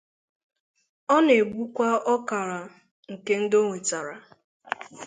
Ọ na-egbukwa ọkara nke ndị onwetara.